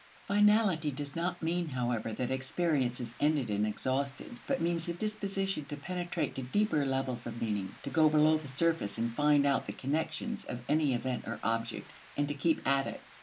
Finality does not mean, however, that experience is ended and exhausted, but means the disposition to penetrate to deeper levels of meaning to go below the surface and find out the connections of any event or object, and to keep at it.